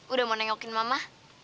udah mau nengokin mama